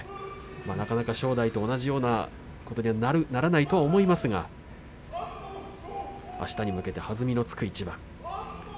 なかなか正代と同じようなことにはならないと思いますがあしたに向けてはずみのつく一番。